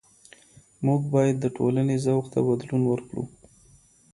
موږ بايد د ټولني ذوق ته بدلون ورکړو.